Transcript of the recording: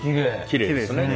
きれいですよね。